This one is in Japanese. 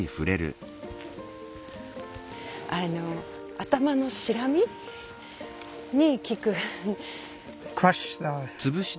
頭のシラミに効く。